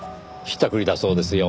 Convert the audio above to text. ひったくりだそうですよ。